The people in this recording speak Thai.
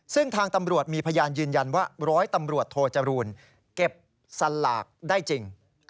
ซึ่งทางตำรวจมีพยานยืนยันว่าร้อยตำรวจโทจรูลเก็บสลากได้จริง